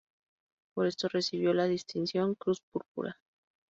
Por esto recibió la distinción Cruz Púrpura.